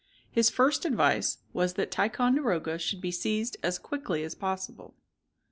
His first advice was that Ticonderoga should be seized as quickly as possible.